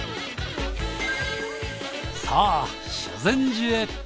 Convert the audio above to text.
さぁ修善寺へ。